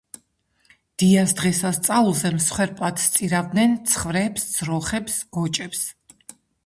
დიას დღესასწაულზე მსხვერპლად სწირავდნენ ცხვრებს, ძროხებს, გოჭებს.